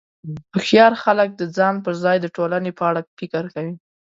هوښیار خلک د ځان پر ځای د ټولنې په اړه فکر کوي.